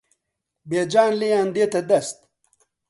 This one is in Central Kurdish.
بێجان لێیان دێتە دەست